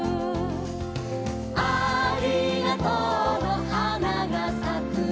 「ありがとうのはながさくよ」